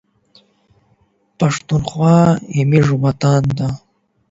پښتونخوا زموږ وطن دی